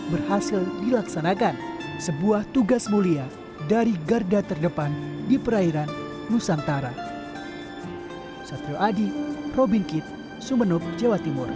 berhasil dilaksanakan sebuah tugas mulia dari garda terdepan di perairan nusantara